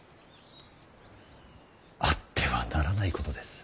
あってはならないことです。